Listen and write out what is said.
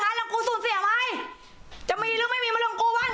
คุณปุ้ยอายุ๓๒นางความร้องไห้พูดคนเดี๋ยว